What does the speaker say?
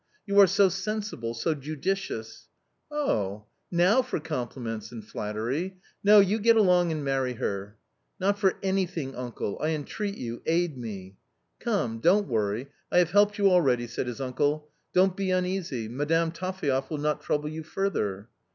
You are so sensible, so judicious "" Oh, now for compliments and flattery ! No, you get along and marry her." " Not for anything, uncle ! I entreat you, aid me." " Come, don't worry ; I have helped you already," said his uncle. "Don't be uneasy; Madame Taphaev will not trouble you further."